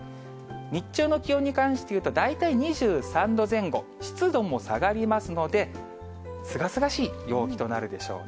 日中の気温に関していうと、大体２３度前後、湿度も下がりますので、すがすがしい陽気となるでしょう。